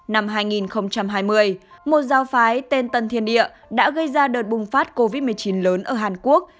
năm hai nghìn hai mươi một giáo phái tên tân thiên địa đã gây ra đợt bùng phát covid một mươi chín lớn ở hàn quốc